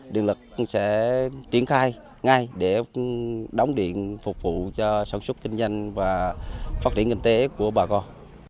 điện lực sẽ triển khai ngay để đóng điện phục vụ cho sản xuất kinh doanh và phát triển kinh tế của bà con